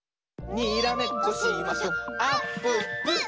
にらめっこしましょあっぷっぷ！